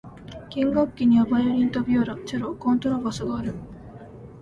弦楽器にはバイオリンとビオラ、チェロ、コントラバスがある。